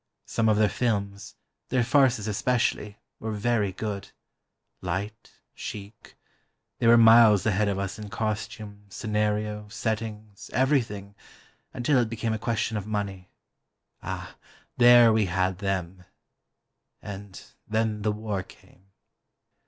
Some of their films, their farces especially, were very good—light, chic—they were miles ahead of us in costume, scenario, settings, everything, until it became a question of money ... ah, there we had them. And then the War came.